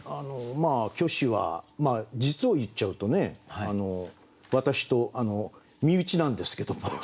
虚子は実を言っちゃうとね私と身内なんですけども。